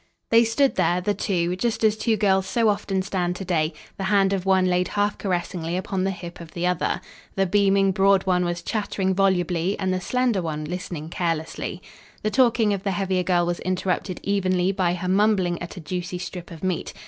They stood there, the two, just as two girls so often stand to day, the hand of one laid half caressingly upon the hip of the other. The beaming, broad one was chattering volubly and the slender one listening carelessly. The talking of the heavier girl was interrupted evenly by her mumbling at a juicy strip of meat.